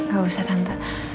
gak usah tante